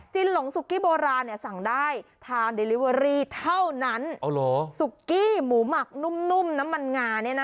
จิ้นหลงซุกี้โบราณสั่งได้ทานเดลิเวอรี่เท่านั้น